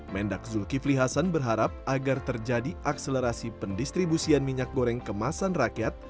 mendak zulkifli hasan berharap agar terjadi akselerasi pendistribusian minyak goreng kemasan rakyat